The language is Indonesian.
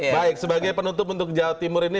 baik sebagai penutup untuk jawa timur ini